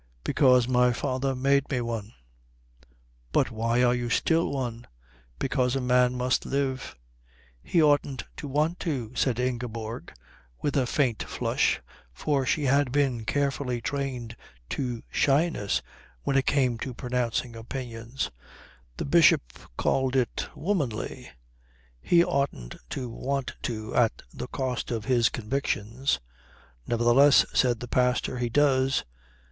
"Because my father made me one." "But why are you still one?" "Because a man must live." "He oughtn't to want to," said Ingeborg with a faint flush, for she had been carefully trained to shyness when it came to pronouncing opinions the Bishop called it being womanly "he oughtn't to want to at the cost of his convictions." "Nevertheless," said the pastor, "he does."